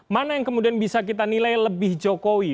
mana yang kemudian bisa kita nilai lebih jokowi